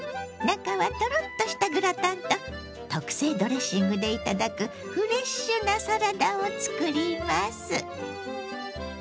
中はトロッとしたグラタンと特製ドレッシングで頂くフレッシュなサラダを作ります。